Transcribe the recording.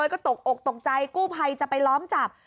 ก็ตกอกตกใจกู้ภัยจะไปล้อมจับ